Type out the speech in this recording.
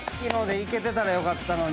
いけてたらよかったのに。